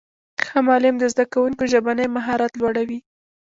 ښه معلم د زدهکوونکو ژبنی مهارت لوړوي.